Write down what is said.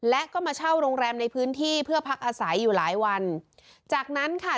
และก็มาเช่าโรงแรมในพื้นที่เพื่อพักอาศัยอยู่หลายวันจากนั้นค่ะ